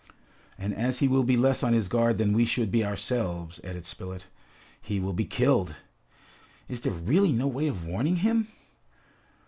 "And as he will be less on his guard than we should be ourselves," added Spilett, "he will be killed!" "Is there really no way of warning him?"